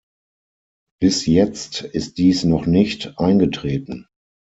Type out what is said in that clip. Bis jetzt ist dies noch nicht eingetreten.